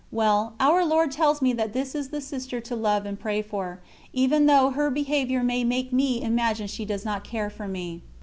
Well, Our Lord tells me that this is the Sister to love and pray for, even though her behaviour may make me imagine she does not care for me.